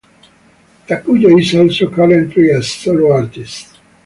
Takuya is also currently a solo artist.